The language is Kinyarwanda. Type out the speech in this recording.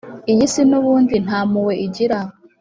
Iyi si nubundi ntampuhwe igira